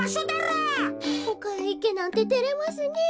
ほかへいけなんててれますねえ。